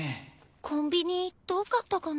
コンビニ遠かったかな。